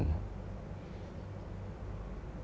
และก็